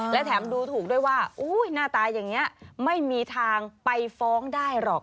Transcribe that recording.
และแถมดูถูกด้วยว่าหน้าตาอย่างนี้ไม่มีทางไปฟ้องได้หรอก